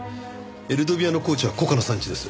エルドビアの高地はコカの産地です。